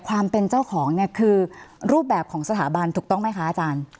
ความเป็นเจ้าของเนี่ยคือรูปแบบของสถาบันถูกต้องไหมคะอาจารย์